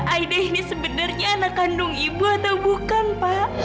aideh ini sebenarnya anak kandung ibu atau bukan pak